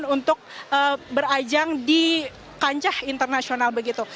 untuk berajang di kancah internasional begitu